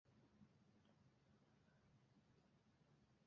রিচার্ডসও এই সময়ে ব্যান্ড ছেড়ে চলে যান।